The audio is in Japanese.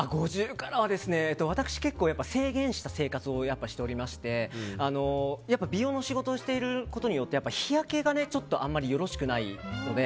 ５０からは私、結構制限した生活をしておりまして、美容の仕事をしていることによって日焼けがちょっとあんまりよろしくないので